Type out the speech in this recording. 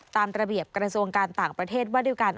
ตามระเบียบกรัฐมนตรีการต่างประเทศว่าด้วยการ